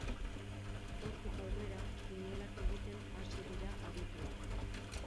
Hortik aurrera, kinielak egiten hasi dira adituak.